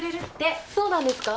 そうなんですか？